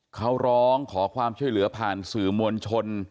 เขาร้องขอความช่วยเหลือผ่านสื่อมวลชน